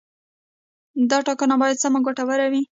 دا ټاکنه باید سمه او ګټوره وي.